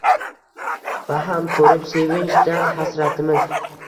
Baham ko’rib sevinch, dard-hasratimiz —